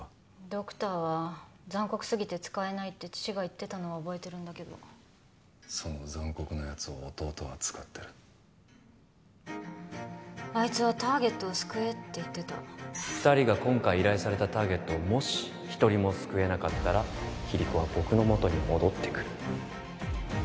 「ドクターは残酷すぎて使えない」って父が言ってたのは覚えてるんだけどその残酷なやつを弟は使ってるあいつは「ターゲットを救え」って言ってた二人が今回依頼されたターゲットをもし一人も救えなかったらキリコは僕のもとに戻ってくる